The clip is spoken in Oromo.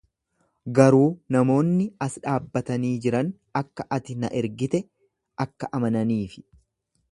Garuu namoonni as dhaabbatanii jiran akka ati na ergite akka amananiifi.